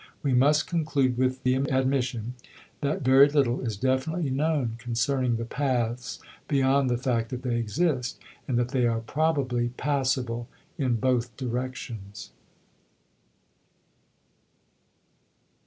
We must conclude with the admission that very little is definitely known concerning the paths beyond the fact that they exist, and that they are probably passable in both directions.